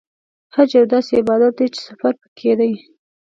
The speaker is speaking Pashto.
حج یو داسې عبادت دی چې سفر پکې دی.